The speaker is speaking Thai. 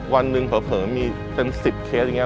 วันหนึ่งเผลอมีเป็น๑๐เคสอย่างนี้